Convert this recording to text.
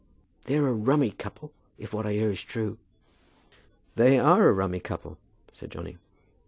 "They're a rummy couple, if what I hear is true." "They are a rummy couple," said Johnny.